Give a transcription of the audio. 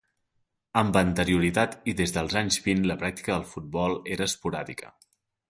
Amb anterioritat i des dels anys vint la pràctica del futbol era esporàdica.